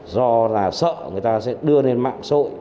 do là sợ người ta sẽ đưa lên mạng sội